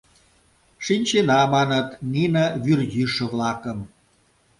— Шинчена, маныт, нине вӱрйӱшӧ-влакым.